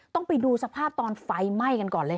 ต้องไปดูสภาพตอนไฟไหม้กันก่อนเลยค่ะ